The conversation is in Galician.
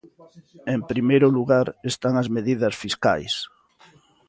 En primeiro lugar, están as medidas fiscais.